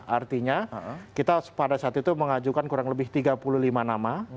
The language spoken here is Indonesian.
artinya kita pada saat itu mengajukan kurang lebih tiga puluh lima nama